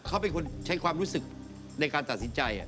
เขาเป็นคนใช้ความรู้สึกในการตัดสินใจ